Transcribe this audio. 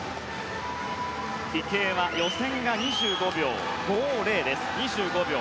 池江は予選が２５秒５０です。